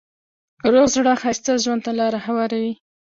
روغ زړه ښایسته ژوند ته لاره هواروي.